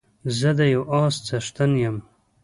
زه د يو اس څښتن يم